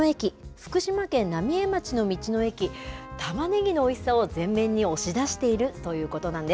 福島県浪江町の道の駅、たまねぎのおいしさを全面に押し出しているということなんです。